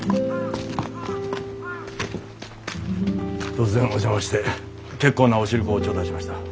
突然お邪魔して結構なお汁粉を頂戴しました。